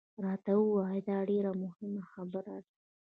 راته ووایه، دا ډېره مهمه خبره ده.